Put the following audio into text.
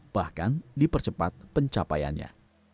bahkan dipercepat pencapaiannya